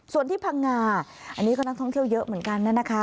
ส่วนที่พังงาอันนี้ก็นักท่องเที่ยวเยอะเหมือนกันนะคะ